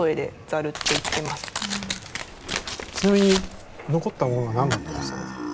ちなみに残ったものは何だったりしたんですか？